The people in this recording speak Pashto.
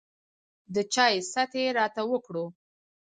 د چاے ست يې راته وکړو